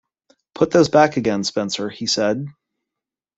"Put those back again, Spencer," he said.